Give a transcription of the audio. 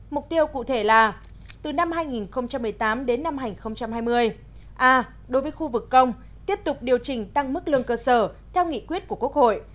mục tiêu cụ thể là từ năm hai nghìn một mươi tám đến năm hai nghìn hai mươi đối với khu vực công tiếp tục điều chỉnh tăng mức lương cơ sở theo nghị quyết của quốc hội